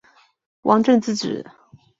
王震之子。